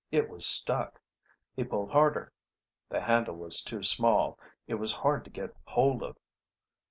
It was stuck. He pulled harder. The handle was too small; it was hard to get hold of.